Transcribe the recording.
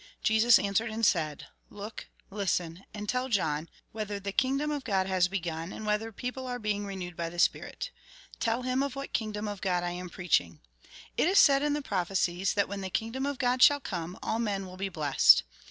Jesus answered and said :" Look, listen, — and tell John, whether the kingdom of God has begun, and whether people are being renewed by tlie spirit. Tell him of what kingdom of God I am preaching. It is said in the prophecies that, when the kingdom of God shall come, all men will be blessed.